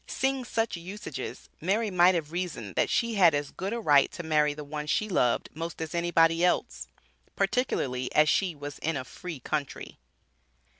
Seeing such usages, Mary might have reasoned that she had as good a right to marry the one she loved most as anybody else, particularly as she was in a "free country."